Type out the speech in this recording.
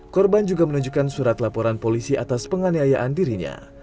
korban juga menunjukkan surat laporan polisi atas penganiayaan dirinya